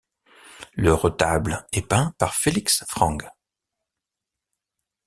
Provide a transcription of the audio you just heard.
Le retable est peint par Felix Frang.